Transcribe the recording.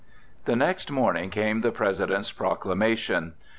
The next morning came the President's proclamation.